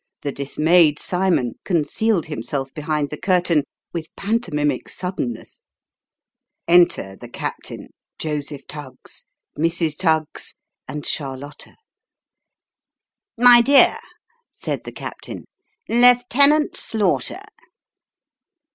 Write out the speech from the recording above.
The dismayed Cymon concealed himself behind the curtain with pantomimic suddenness. Enter the captain, Joseph Tuggs, Mrs. Tuggs, and Charlotta. 266 Sketches by Boz. " My dear," said the captain, " Lieutenant Slaughter."